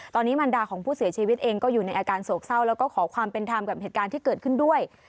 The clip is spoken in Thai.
ตอนนี้มันดาของผู้เสียชีวิตเองก็อยู่ในอาการโศกเศร้าแล้วก็ขอความเป็นธรรมกับเหตุการณ์ที่เกิดขึ้นด้วย